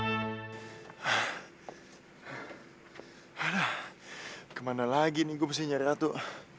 aduh kemana lagi aku harus mencari atuk